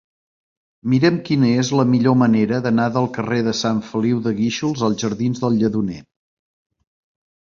Mira'm quina és la millor manera d'anar del carrer de Sant Feliu de Guíxols als jardins del Lledoner.